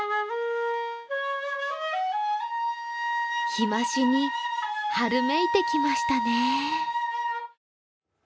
日増しに春めいてきましたね。